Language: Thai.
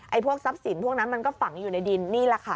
พวกทรัพย์สินพวกนั้นมันก็ฝังอยู่ในดินนี่แหละค่ะ